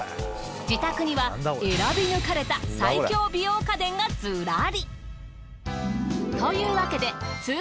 自宅には選び抜かれた最強美容家電がずらり。